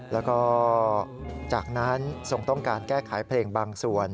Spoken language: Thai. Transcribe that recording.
แล้วก็จากนั้นทรงต้องการแก้ไขเพลงบางส่วน